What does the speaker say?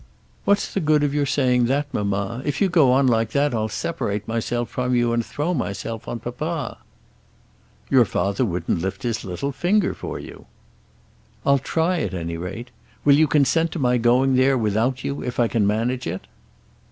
"What's the good of your saying that, mamma? If you go on like that I'll separate myself from you and throw myself on papa." "Your father wouldn't lift his little finger for you." "I'll try at any rate. Will you consent to my going there without you if I can manage it?"